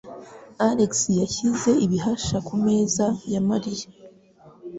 Alex yashyize ibahasha ku meza ya Mariya.